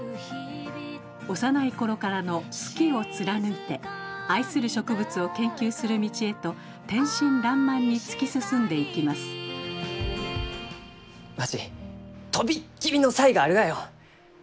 幼い頃からの好きを貫いて愛する植物を研究する道へと天真らんまんに突き進んでいきますわし飛びっ切りの才があるがよ！